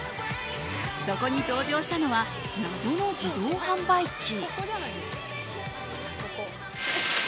そこに登場したのは謎の自動販売機。